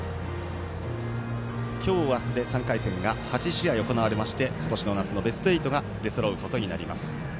今日、明日で３回戦が８試合行われまして今年の夏のベスト８が出そろうことになります。